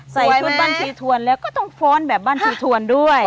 ใส่ชุดบ้านสีทวนแล้วก็ต้องฟ้อนแบบบ้านชีทวนด้วย